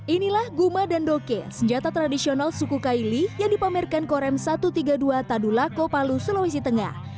inilah guma dan doke senjata tradisional suku kaili yang dipamerkan korem satu ratus tiga puluh dua tadulako palu sulawesi tengah